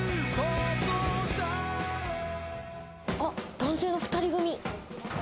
男性の２人組。